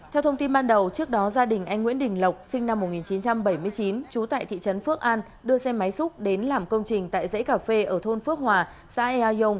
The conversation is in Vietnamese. theo thông tin ban đầu trước đó gia đình anh nguyễn đình lộc sinh năm một nghìn chín trăm bảy mươi chín trú tại thị trấn phước an đưa xe máy xúc đến làm công trình tại dãy cà phê ở thôn phước hòa xã eang